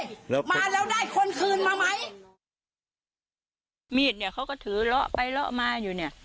แล้วมาแล้วได้คนคืนมาไหมมีดเนี้ยเขาก็ถือเลาะไปเลาะมาอยู่เนี้ย